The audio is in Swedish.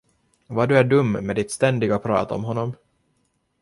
Vad du är dum med ditt ständiga prat om honom.